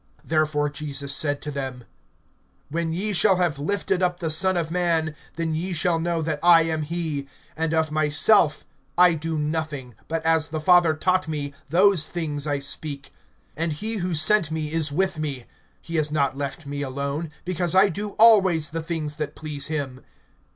(28)Therefore Jesus said to them: When ye shall have lifted up the Son of man, then ye shall know that I am he; and of myself I do nothing, but as the Father taught me, those things I speak. (29)And he who sent me is with me. He has not left me alone; because I do always the things that please him.